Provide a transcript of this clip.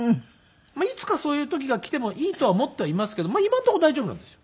まあいつかそういう時が来てもいいとは思ってはいますけど今のところ大丈夫なんですよ。